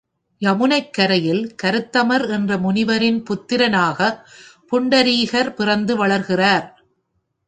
யமுனைக் கரையில் கருத்தமர் என்ற முனிவரின் புத்திரனாகப் புண்டரீகர் பிறந்து வளர்கிறார்.